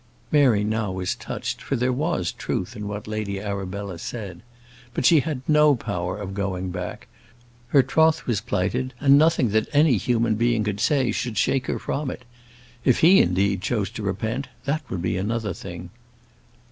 Mary now was touched, for there was truth in what Lady Arabella said. But she had no power of going back; her troth was plighted, and nothing that any human being could say should shake her from it. If he, indeed, chose to repent, that would be another thing.